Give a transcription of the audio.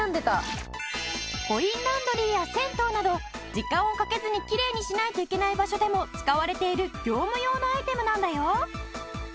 コインランドリーや銭湯など時間をかけずにきれいにしないといけない場所でも使われている業務用のアイテムなんだよ。